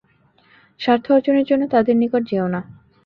স্বার্থ অর্জনের জন্য তাদের নিকট যেয়ো না।